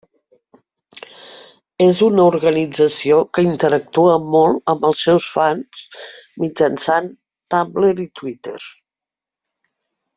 És una organització que interactua molt amb els seus fans mitjançant Tumblr i Twitter.